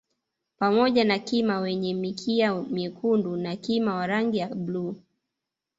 Pamoja na Kima wenye mikia myekundu na kima wa rangi ya bluu